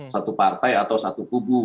satu partai atau satu kubu